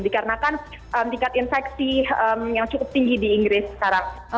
dikarenakan tingkat infeksi yang cukup tinggi di inggris sekarang